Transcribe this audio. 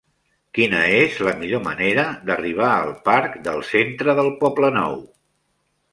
Quina és la millor manera d'arribar al parc del Centre del Poblenou?